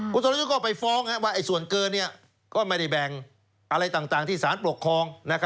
คุณสรยุทธ์ก็ไปฟ้องว่าส่วนเกินก็ไม่ได้แบ่งอะไรต่างที่สารปกครอง